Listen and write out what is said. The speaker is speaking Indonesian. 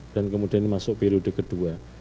dan kemudian masuk periode kedua